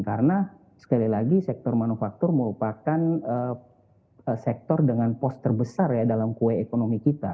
karena sekali lagi sektor manufaktur merupakan sektor dengan pos terbesar dalam kue ekonomi kita